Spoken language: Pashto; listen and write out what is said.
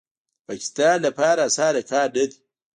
د پاکستان لپاره اسانه کار نه دی